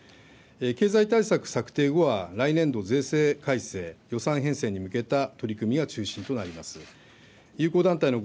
経済対策策定後は、来年度税制改正、予算編成に向けた取り組みが中心となります。